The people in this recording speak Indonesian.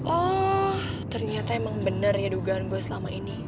oh ternyata emang bener ya dugaan gue selama ini